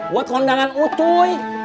buat keundangan ucuy